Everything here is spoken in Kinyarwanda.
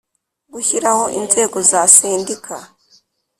Gushyiraho inzego za sendika